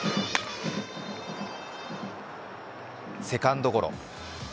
セカンドゴロ。